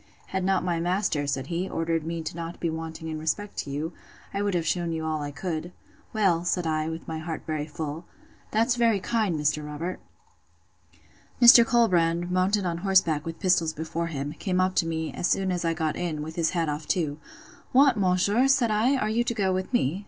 Had not my master, said he, ordered me not to be wanting in respect to you, I would have shewn you all I could. Well, said I, with my heart full, that's very kind, Mr. Robert. Mr. Colbrand, mounted on horseback, with pistols before him, came up to me, as soon as I got in, with his hat off too. What, monsieur! said I, are you to go with me?